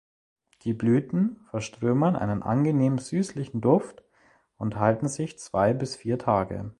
Die Blüten verströmen einen angenehm süßlichen Duft und halten sich zwei bis vier Tage.